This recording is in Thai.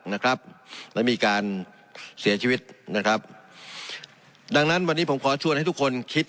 นะครับแล้วมีการเสียชีวิตนะครับดังนั้นวันนี้ผมขอชวนให้ทุกคนคิด